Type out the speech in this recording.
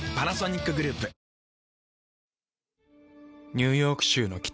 ニューヨーク州の北。